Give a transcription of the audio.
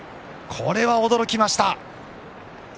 これは驚きました。